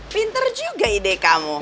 pinter juga ide kamu